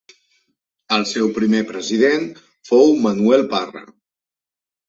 El seu primer president fou Manuel Parra.